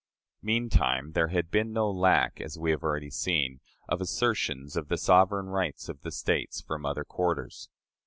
Meantime there had been no lack, as we have already seen, of assertions of the sovereign rights of the States from other quarters.